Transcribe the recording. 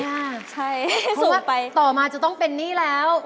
เพราะว่าต่อมาจะต้องเป็นนี่แล้ว